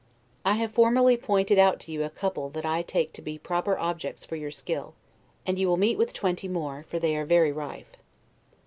I have formerly pointed out to you a couple that I take to be proper objects for your skill; and you will meet with twenty more, for they are very rife.